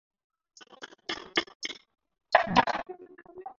ساقي راته وویل چې زما هېر شول چې خبر درکړم.